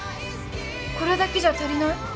これだけじゃ足りない？